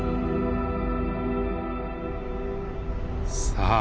さあ